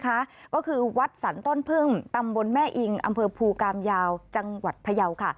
ก็คือวัดสรรต้นพึ่งตำบลแม่อิงอำเภอภูกามยาวจังหวัดพยาวค่ะ